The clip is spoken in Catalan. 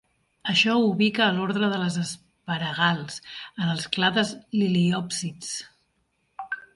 Això ho ubica a l'ordre de les asparagals, en els clades liliòpsids.